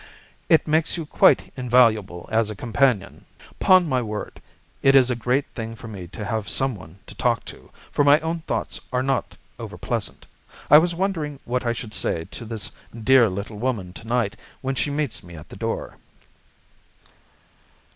"It makes you quite invaluable as a companion. 'Pon my word, it is a great thing for me to have someone to talk to, for my own thoughts are not over pleasant. I was wondering what I should say to this dear little woman to night when she meets me at the door."